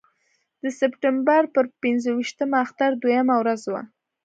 د سپټمبر پر پنځه ویشتمه اختر دویمه ورځ وه.